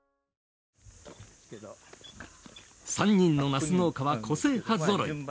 ３人のナス農家は個性派ぞろい。